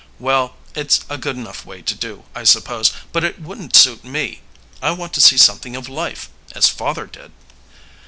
Well, it's a good enough way to do, I suppose, but it wouldn't suit me. I want to see something of life as father did."